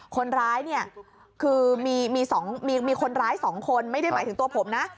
คนร้ายเนี่ยคือมีคนร้าย๒คนไม่ได้หมายถึงตัวผมนะ